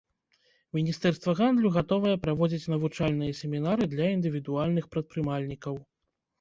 Міністэрства гандлю гатовае праводзіць навучальныя семінары для індывідуальных прадпрымальнікаў.